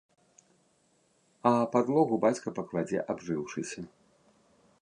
А падлогу бацька пакладзе абжыўшыся.